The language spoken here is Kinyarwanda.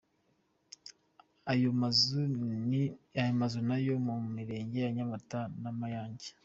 Ayo mazu ni ayo mu mirenge ya Nyamata na Mayange.